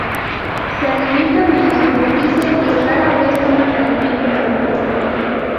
Se alimentan en la superficie y rara vez toman alimentos del fondo.